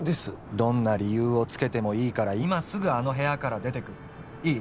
どんな理由をつけてもいいから今すぐあの部屋から出てくいい？